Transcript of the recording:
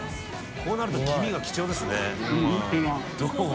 こうなると黄身が貴重ですね。